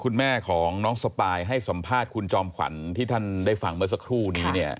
คุณแม่ของน้องสปายให้สัมภาษณ์คุณจอมขวัญที่ท่านได้ฟังเมื่อสักครู่นี้เนี่ย